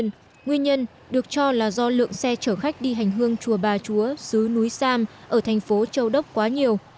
tuy nhiên được cho là do lượng xe chở khách đi hành hương chùa ba chúa xứ núi sam ở thành phố châu đốc quá nhiều